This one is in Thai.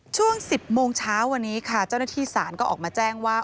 ช่วง๑๐โมงเช้าวันนี้ค่ะเจ้าหน้าที่ศาลก็ออกมาแจ้งว่า